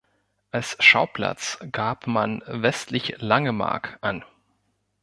Als Schauplatz gab man „westlich Langemarck“ an.